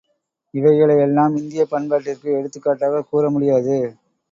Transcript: இவைகளை எல்லாம் இந்தியப் பண்பாட்டிற்கு எடுத்துக்காட்டாகக் கூற முடியாது.